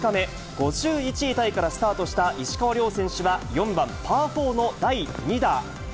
５１位タイからスタートした石川遼選手は、４番、パー４の第２打。